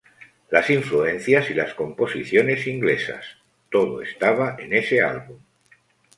Las influencias y las composiciones inglesas, todo estaba en ese álbum.